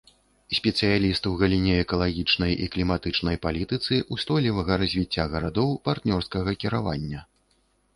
Спецыяліст у галіне экалагічнай і кліматычнай палітыцы, устойлівага развіцця гарадоў, партнёрскага кіравання.